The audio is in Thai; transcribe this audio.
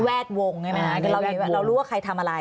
ดวงใช่ไหมคะเรารู้ว่าใครทำอะไร